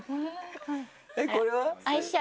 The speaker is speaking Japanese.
えっこれは？